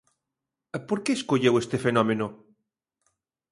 Por que escolleu este fenómeno?